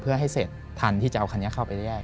เพื่อให้เสร็จทันที่จะเอาคันนี้เข้าไปแยก